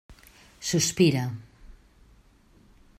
Sospira.